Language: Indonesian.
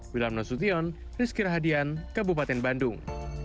wilam nasution rizky rahadian kabupaten bandung